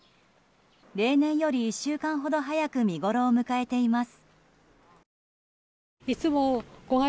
例年より１週間ほど早く見ごろを迎えています。